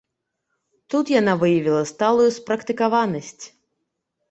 Тут яна выявіла сталую спрактыкаванасць.